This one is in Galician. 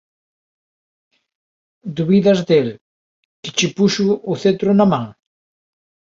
Dubidas del, que che puxo o cetro na man?